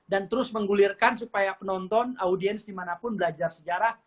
dan terus menggulirkan supaya penonton audiens dimanapun belajar sejarah